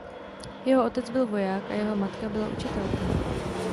Jeho otec byl voják a jeho matka byla učitelka.